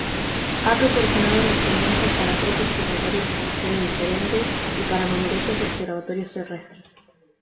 Ha proporcionado instrumentos para tres observatorios espaciales diferentes y para numerosos observatorios terrestres.